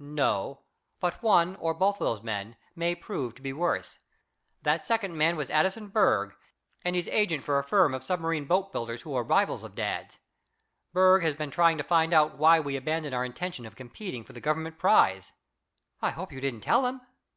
"No. But one, or both of those men, may prove to be worse. That second man was Addison Berg, and he's agent for a firm of submarine boat builders who are rivals of dad's. Berg has been trying to find out why we abandoned our intention of competing for the Government prize." "I hope you didn't tell him."